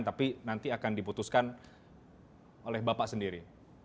tapi nanti akan diputuskan oleh bapak sendiri